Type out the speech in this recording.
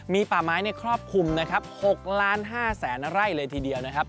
มีป่าไม้เนี่ยครอบคลุมนะครับ๖๕๐๐๐๐๐ไร่เลยทีเดียวนะครับ